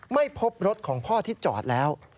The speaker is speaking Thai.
ไม่พบรถของพ่อที่จอดแล้ว